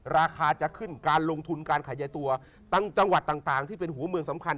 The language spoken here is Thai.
ราคาจะขึ้นการลงทุนการขยายตัวต่างจังหวัดต่างที่เป็นหัวเมืองสำคัญ